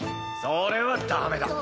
それはダメだ。